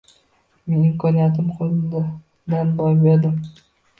Men imkoniyatimni qo`ldan boy berdim